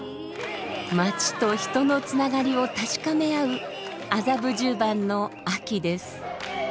街と人のつながりを確かめ合う麻布十番の秋です。